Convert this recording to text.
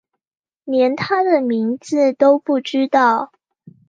连他的名字都不知道